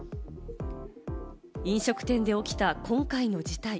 飲食店で起きた今回の事態。